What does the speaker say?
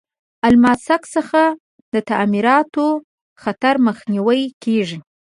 د الماسک څخه د تعمیراتو خطر مخنیوی کیږي.